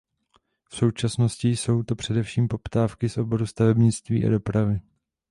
V současnosti jsou to především poptávky z oboru stavebnictví a dopravy.